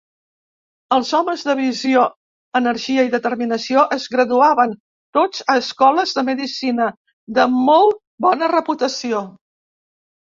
Els homes de visió, energia i determinació es graduaven tots a escoles de medicina de molt bona reputació.